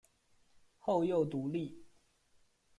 后又独立。